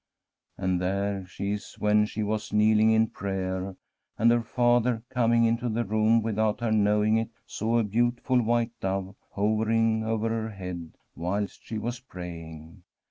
And there she is when she was kneeling in prayer, and her father coming into the room without her knowing it saw a beautiful white dove hovering over her head whilst she was pray ing.